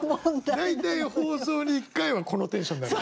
大体放送に１回はこのテンションになる。